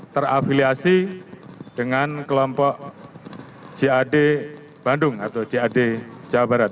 terafiliasi dengan kelompok cad bandung atau cad jawa barat